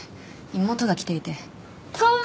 妹が来ていて。